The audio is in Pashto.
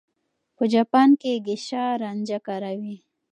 په جاپان کې ګېشا رانجه کاروي.